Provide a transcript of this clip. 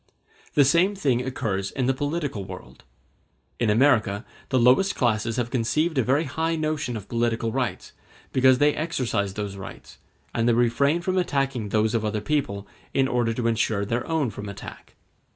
The same thing occurs in the political world. In America the lowest classes have conceived a very high notion of political rights, because they exercise those rights; and they refrain from attacking those of other people, in order to ensure their own from attack.